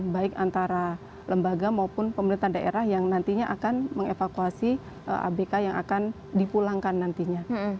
baik antara lembaga maupun pemerintah daerah yang nantinya akan mengevakuasi abk yang akan dipulangkan nantinya